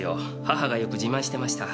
母がよく自慢してました。